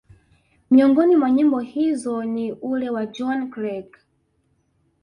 miongoni mwa nyimbo hizo ni ule wa Johnny Clegg